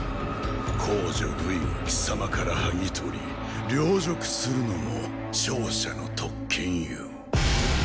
公女瑠衣を貴様からはぎとり陵辱するのも勝者の特権よ。